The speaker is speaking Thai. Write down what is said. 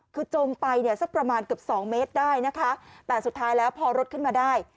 คือจมไปเนี่ยสักประมาณเกือบสองเมตรได้นะคะแต่สุดท้ายแล้วพอรถขึ้นมาได้